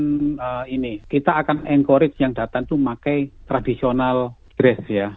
dan ini kita akan encourage yang datang itu pakai tradisional dress ya